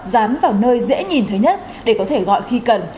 dán vào nơi dễ nhìn thấy nhất để có thể gọi khi cần